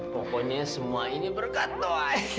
pokoknya semua ini berkat toa